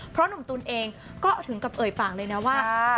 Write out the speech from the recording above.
เพราะหนุ่มตุ๋นเองก็ถึงกับเอ่ยปากเลยนะว่า